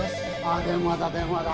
あ電話だ電話だ